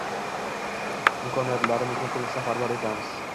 imkoniyatlarimizni to‘liq safarbar etamiz.